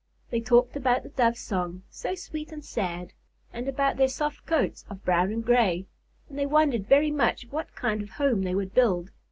They talked about the Doves' song, so sweet and sad, and about their soft coats of brown and gray, and they wondered very much what kind of home they would build.